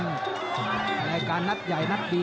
แรการ์นัดใหญ่นัดดี